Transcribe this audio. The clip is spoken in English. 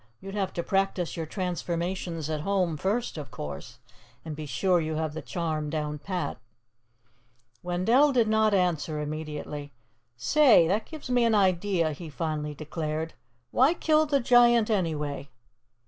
"You'd have to practice your transformations at home, first, of course, and be sure you have the charm down pat." Wendell did not answer immediately. "Say, that gives me an idea," he finally declared. "Why kill the Giant, anyway?"